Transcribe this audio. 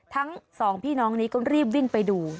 ทั้งสองพี่น้องนี้ก็รีบวิ่งไปดู